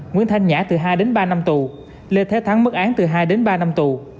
nguyễn thanh nhã từ hai ba năm tù lê thế thắng mức án từ hai ba năm tù